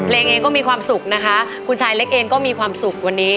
เองก็มีความสุขนะคะคุณชายเล็กเองก็มีความสุขวันนี้